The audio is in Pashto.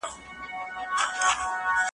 زه له بویه د باروتو ترهېدلی `